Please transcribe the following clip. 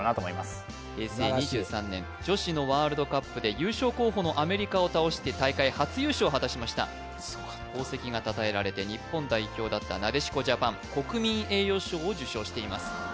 素晴らしい平成２３年女子のワールドカップで優勝候補のアメリカを倒して大会初優勝を果たしましたすごかった功績がたたえられて日本代表だったなでしこジャパン国民栄誉賞を受賞しています